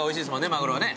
マグロはね。